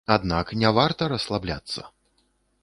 Аднак не варта расслабляцца.